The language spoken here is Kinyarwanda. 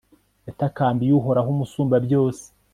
yatakambiye uhoraho umusumbabyose